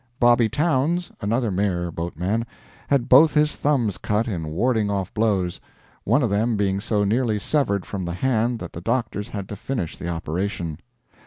'Bobby Towns,' another Mare boatman, had both his thumbs cut in warding off blows, one of them being so nearly severed from the hand that the doctors had to finish the operation.